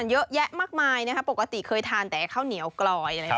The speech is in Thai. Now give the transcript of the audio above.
เยอะแยะมากมายนะครับปกติเคยทานแต่ข้าวเหนียวกลอยนะครับ